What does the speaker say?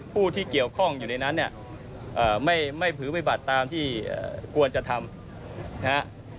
ผู้ที่เกี่ยวข้องอยู่ในนั้นไม่พื้นไว้บัตรตามที่ควรจะทำ